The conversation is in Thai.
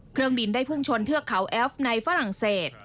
เครื่องบินได้พุ่งชนเทือกเขาแอฟในฝรั่งเศส